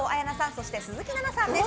そして、鈴木奈々さんです。